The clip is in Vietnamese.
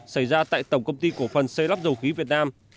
xảy ra tại tổng công ty cổ phần xây lắp dầu khí việt nam